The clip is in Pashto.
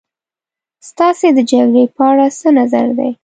ستاسې د جګړې په اړه څه نظر دی.